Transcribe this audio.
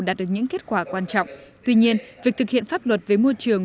đạt được những kết quả quan trọng tuy nhiên việc thực hiện pháp luật về môi trường